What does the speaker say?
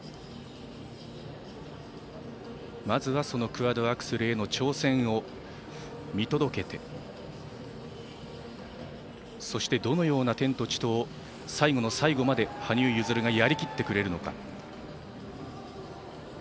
まずは、クアッドアクセルへの挑戦を見届けてそしてどのような「天と地と」を最後の最後まで羽生結弦がやりきってくれるのか。